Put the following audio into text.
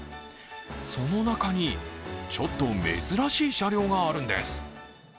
その中に、ちょっと珍しい車両があるんです。